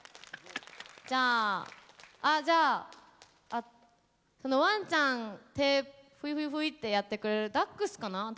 じゃああじゃあそのワンちゃん手フイフイフイッてやってくれるダックスかな？